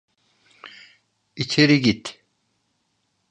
İçeri git.